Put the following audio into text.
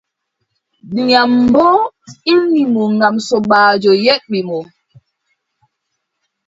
Ndiyam boo ilni mo ngam sobaajo yerɓi mo.